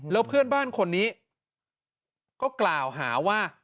แล้วเพื่อนบ้านคนนี้ก็กล่าวหาว่า